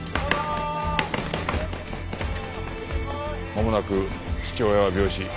まもなく父親は病死。